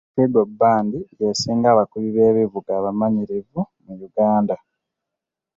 Afrigo band y'esinga abakubi b'ebivuga abamanyirivu mu Uganda.